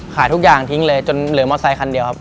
ขายทุกอย่างทิ้งเลยจนเหลือมอเซคันเดียวครับ